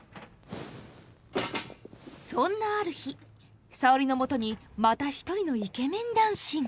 そんなある日沙織のもとにまた一人のイケメン男子が。